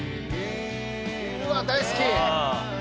うわっ大好き！